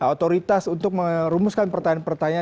otoritas untuk merumuskan pertanyaan pertanyaan